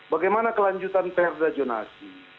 bagaimana kelanjutan prd jonasi